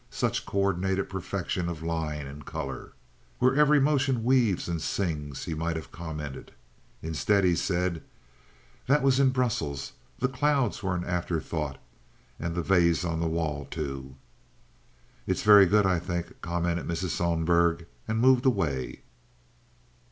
Such co ordinated perfection of line and color! "Where every motion weaves and sings," he might have commented. Instead he said: "That was in Brussels. The clouds were an afterthought, and that vase on the wall, too." "It's very good, I think," commented Mrs. Sohlberg, and moved away.